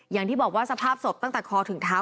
อย่างที่บอกว่าสภาพศพตั้งแต่คอถึงเท้า